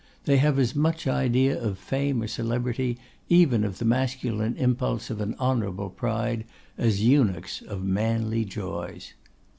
They have as much idea of fame or celebrity, even of the masculine impulse of an honourable pride, as eunuchs of manly joys.